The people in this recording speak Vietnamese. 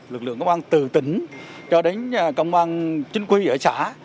lực lượng công an từ tỉnh cho đến công an chính quy ở xã